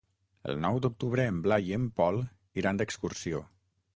El nou d'octubre en Blai i en Pol iran d'excursió.